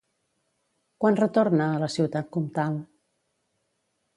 Quan retorna a la ciutat comtal?